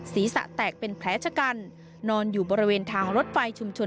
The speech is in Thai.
ศีรษะแตกเป็นแผลชะกันนอนอยู่บริเวณทางรถไฟชุมชน